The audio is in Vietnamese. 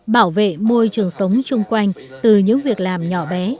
bảo vệ môi trường sống chung quanh từ những việc làm nhỏ bé